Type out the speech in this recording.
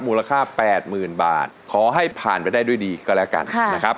มูลค่า๘๐๐๐บาทขอให้ผ่านไปได้ด้วยดีก็แล้วกันนะครับ